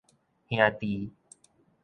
兄弟